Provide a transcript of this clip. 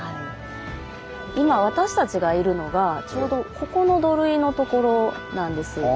今私たちがいるのがちょうどここの土塁のところなんです。